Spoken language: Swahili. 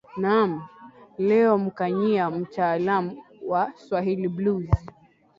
naam leo mkanyia mtaalamu wa swahili blues